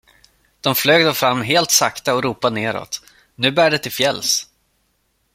De flög då fram helt sakta och ropade neråt: Nu bär det till fjälls.